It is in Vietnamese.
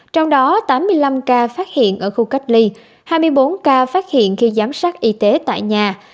trong đó tám mươi năm ca phát hiện ở khu cách ly hai mươi bốn ca phát hiện khi giám sát y tế tại nhà